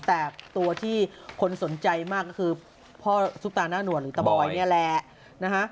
แต่ตัวที่คนสนใจมากก็คือพ่อซุปตาหน้าหนวดหรือตะบอยนี่แหละนะคะ